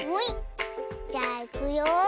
じゃあいくよ。